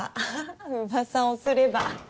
噂をすれば。